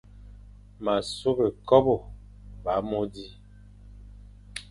Ma sughé kobe ve amô di,